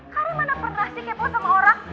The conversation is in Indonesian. kak rey mana pernah si kepo sama orang